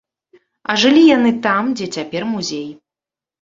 А жылі яны там, дзе цяпер музей.